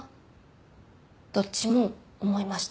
どっちも思いました。